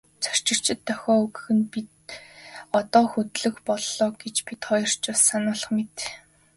Зорчигчдод дохио өгөх нь одоо хөдлөх боллоо гэж бид хоёрт ч бас сануулах мэт.